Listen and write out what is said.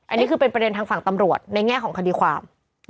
อันนี้คือเป็นประเด็นทางฝั่งตำรวจในแง่ของคดีความ